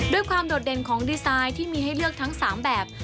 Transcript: โดดเด่นของดีไซน์ที่มีให้เลือกทั้ง๓แบบ